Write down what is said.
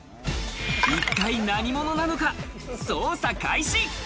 一体何者なのか、捜査開始！